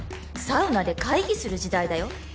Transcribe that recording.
サウナで会議する時代だよ